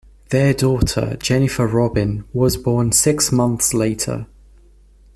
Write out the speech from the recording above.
Their daughter, Jennifer Robin, was born six months later.